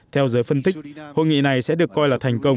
theo giới phân tích hội nghị này sẽ được coi là một vấn đề rất quan trọng